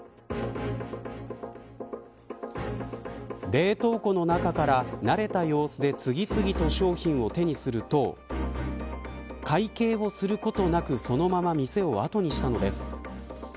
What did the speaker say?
冷凍庫の中から慣れた様子で次々と商品を手にすると会計をすることなくそのまま店を後にしたのです。